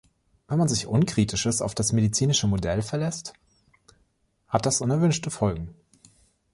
Wenn man sich unkritisches auf das medizinische Modell verlässt, hat das unerwünschte Folgen.